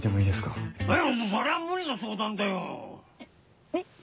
いやそれは無理な相談だよ！